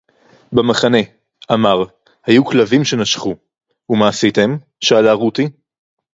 "בַּמַחֲנֶה," אָמַר, "הָיוּ כְּלָבִים שֶׁנָּשְׁכוּ." "וּמֶה עֲשִׂיתֶם?" שָׁאֲלָה רוּתִי